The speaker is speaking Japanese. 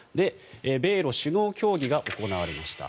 米ロ首脳協議が行われました。